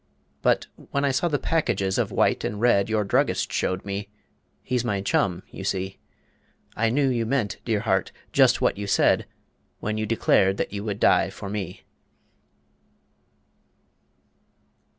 But when I saw the packages of white and red Your druggist showed me he's my chum, you see I knew you meant, dear heart, just what you said, When you declared that you would dye for me.